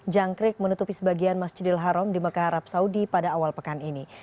jangkrik menutupi sebagian masjidil haram di mekah arab saudi pada awal pekan ini